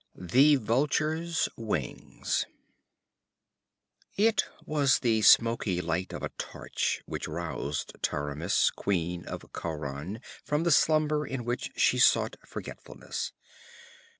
6 The Vulture's Wings It was the smoky light of a torch which roused Taramis, Queen of Khauran, from the slumber in which she sought forgetfulness.